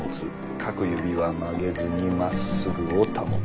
各指は曲げずに真っ直ぐを保つ。